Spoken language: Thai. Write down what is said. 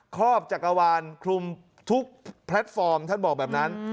รอบจักรวาลคลุมทุกแพลตฟอร์มท่านบอกแบบนั้น